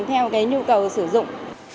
theo cái nhu cầu sử dụng